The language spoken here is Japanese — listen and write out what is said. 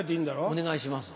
お願いします。